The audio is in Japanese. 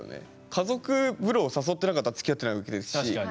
家族風呂を誘ってなかったらつきあってないわけですし。